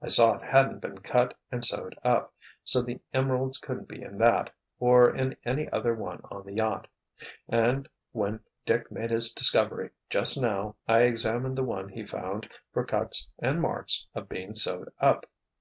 I saw it hadn't been cut and sewed up, so the emeralds couldn't be in that—or in any other one on the yacht. And, when Dick made his discovery, just now, I examined the one he found for cuts and marks of being sewed up."